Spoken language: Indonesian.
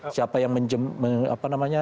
siapa yang mendatang